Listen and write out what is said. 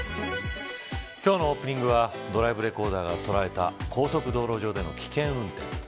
今日のオープニングはドライブレコーダーが捉えた高速道路上での危険運転。